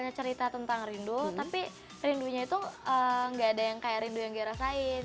cerita tentang rindu tapi rindunya itu gak ada yang kayak rindu yang dia rasain